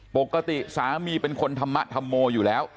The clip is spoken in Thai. ปกติสามีเป็นคนธรรมธรรโมอยู่แล้ว